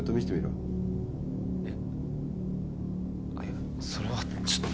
いやそれはちょっと。